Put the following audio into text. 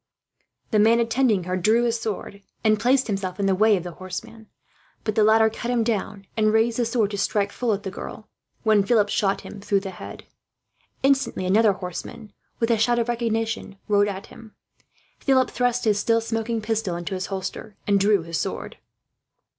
The man attending her drew his sword, and placed himself in the way of the horseman; but the latter cut him down, and raised the sword to strike full at the girl, when Philip shot him through the head. Instantly another horseman, with a shout of recognition, rode at him. Philip thrust his still smoking pistol in his holster, and drew his sword.